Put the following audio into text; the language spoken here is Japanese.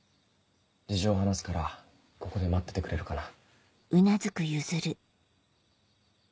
事情を話すからここで待っててくれるかな。